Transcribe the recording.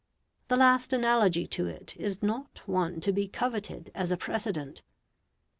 The last analogy to it is not one to be coveted as a precedent.